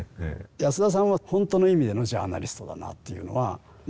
安田さんは本当の意味でのジャーナリストだなっていうのはジャーナルでしょ。